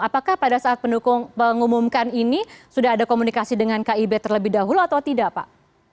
apakah pada saat pendukung mengumumkan ini sudah ada komunikasi dengan kib terlebih dahulu atau tidak pak